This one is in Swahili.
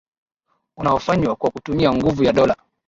unaofanywa kwa kutumia nguvu ya Dola